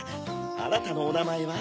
あなたのおなまえは？